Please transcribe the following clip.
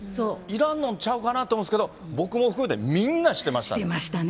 いらんのんちゃうかなと思うけど、僕も含めてみんなしてました。